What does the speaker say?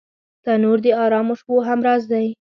تنور د ارامو شپو همراز دی